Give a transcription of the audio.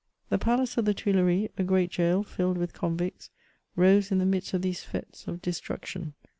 The palace of the Tuileries, a great gaol filled with convicts, rose in the midst of these f^tes of destruction.